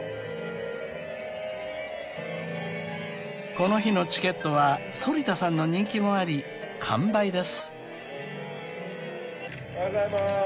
［この日のチケットは反田さんの人気もあり完売です］